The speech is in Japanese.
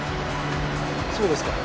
そうですか。